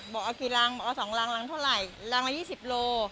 บอกเอากี่รังเอา๒รังรังเท่าไหร่รังละ๒๐โล